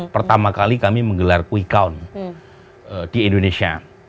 pertama kali kami menggelar quick count di indonesia